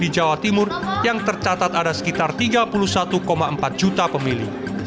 di jawa timur yang tercatat ada sekitar tiga puluh satu empat juta pemilih